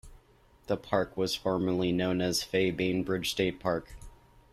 The park was formerly known as Fay Bainbridge State Park.